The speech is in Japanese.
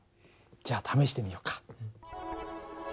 じゃあ試してみようか。